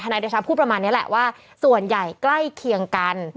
นายเดชาพูดประมาณนี้แหละว่าส่วนใหญ่ใกล้เคียงกัน